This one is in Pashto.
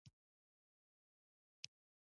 ژوندی یم او پاچا یم.